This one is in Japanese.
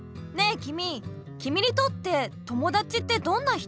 きみきみにとって友だちってどんな人？